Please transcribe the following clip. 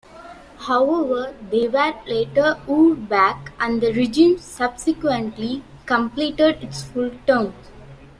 However, they were later wooed back and the regime subsequently completed its full term.